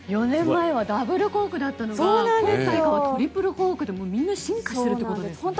４年前はダブルコークだったのが今回からトリプルコークでみんな進化しているということですね。